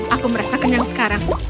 aku merasa kenyang sekarang